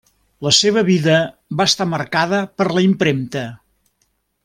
La seva vida va estar marcada per la impremta.